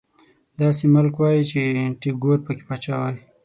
داسې ملک وای چې ټيګور پکې پاچا وای